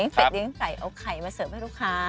เสร็จเลี้ยงไก่เอาไข่มาเสิร์ฟให้ลูกค้า